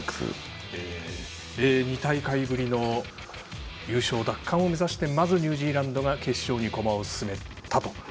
２大会ぶりの優勝奪還を目指してまずニュージーランドが決勝に駒を進めました。